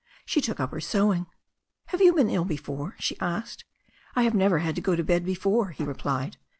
She took up her sewing. "Have you been ill before?" she asked. "I have never had to go to bed before," he replied.